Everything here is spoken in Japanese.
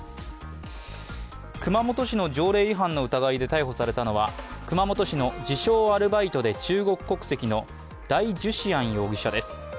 熊本市の条例違反の疑いで逮捕されたのは熊本市の自称・アルバイトで中国国籍の代菊香容疑者です。